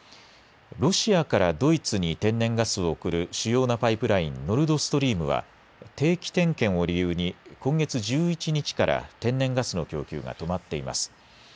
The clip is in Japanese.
ロシアからドイツに天然ガスを送る主要なパイプラインノルドストリームは定期点検を理由に今月１１日から天然ガスの供給が止まっています。